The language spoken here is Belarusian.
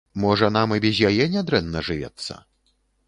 Можа нам і без яе нядрэнна жывецца?